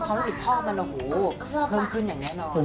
ความรับผิดชอบมันนี่เพิ่มขึ้นอย่างแน่นอน